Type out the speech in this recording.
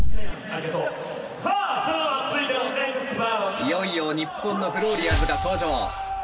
いよいよ日本のフローリアーズが登場。